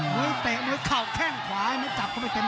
หมวยเตะหมวยเข่าแค่งขวาให้มันจับเขาไปเต็ม